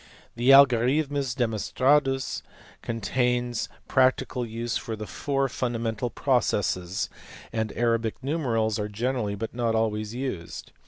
The Algorithmic Demonstratus contains practical rules for the four fundamental processes, and Arabic numerals are generally (but not always) used.